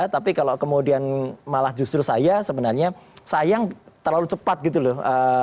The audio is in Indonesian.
tapi kalau kemudian malah justru saya sebenarnya sayang terlalu cepat gitu loh